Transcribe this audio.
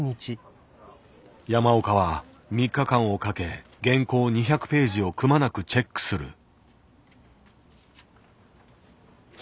山岡は３日間をかけ原稿２００ページをくまなくチェックする。